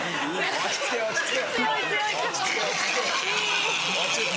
落ち着け落ち着け。